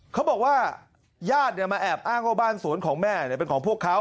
เขาบอกว่าญาติมาแอบอ้างว่าบ้านสวนของแม่เป็นของพวกเขา